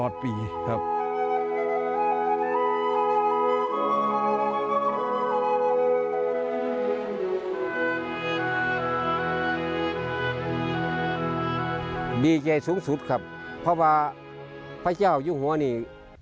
ดีใจสูงสุดครับเพราะว่าพระเจ้าอยู่หัวนี่